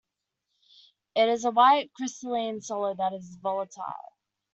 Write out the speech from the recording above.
It is a white crystalline solid that is volatile.